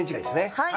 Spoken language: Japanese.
はい。